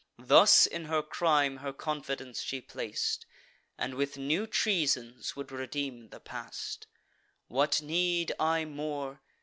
Thus in her crime her confidence she plac'd, And with new treasons would redeem the past. What need I more?